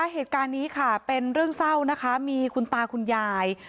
เหตุการณ์นี้ค่ะเป็นเรื่องเศร้านะคะมีคุณตาคุณยาย